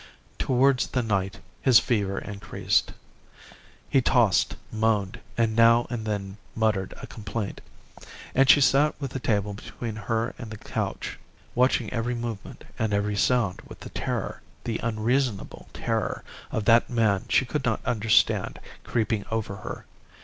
"Towards the night his fever increased. "He tossed, moaned, and now and then muttered a complaint. And she sat with the table between her and the couch, watching every movement and every sound, with the terror, the unreasonable terror, of that man she could not understand creeping over her.